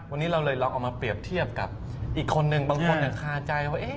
วันนี้เราเลยลองเอามาเปรียบเทียบกับอีกคนนึงบางคนคาใจว่า